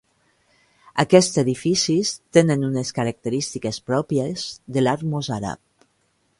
Aquests edificis tenen unes característiques pròpies de l'art mossàrab.